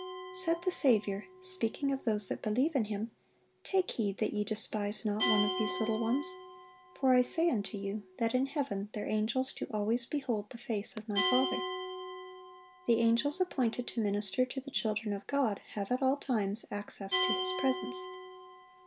(906) Said the Saviour, speaking of those that believe in Him, "Take heed that ye despise not one of these little ones; for I say unto you, That in heaven their angels do always behold the face of My Father."(907) The angels appointed to minister to the children of God have at all times access to His presence.